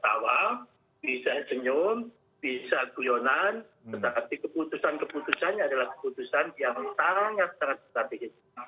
tetapi keputusan keputusannya adalah keputusan yang sangat sangat strategis